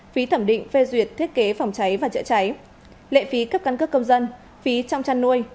phí thẩm định phê duyệt thiết kế phòng cháy và chữa cháy lệ phí cấp căn cước công dân phí trong chăn nuôi